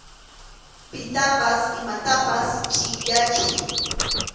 Pitapas imatapas chʼinyachiy.